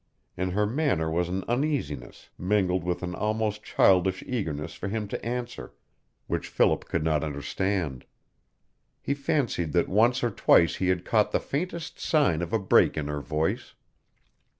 In her manner was an uneasiness, mingled with an almost childish eagerness for him to answer, which Philip could not understand. He fancied that once or twice he had caught the faintest sign of a break in her voice.